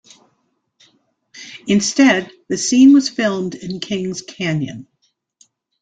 Instead, the scene was filmed in King's Canyon.